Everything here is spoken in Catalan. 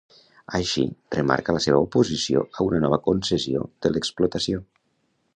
Així, remarca la seua oposició a una nova concessió de l’explotació.